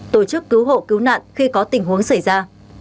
tổ chức cứu hộ cứu nạn khi có tình huống xảy ra